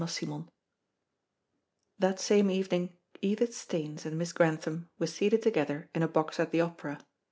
CHAPTER TEN That same evening Edith Staines and Miss Grantham were seated together in a box at the opera.